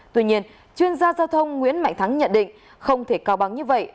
tuy nhiên chuyên gia giao thông nguyễn mạnh thắng nhận định không thể cao bóng như vậy